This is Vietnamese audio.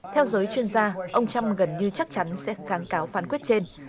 theo giới chuyên gia ông trump gần như chắc chắn sẽ kháng cáo phán quyết trên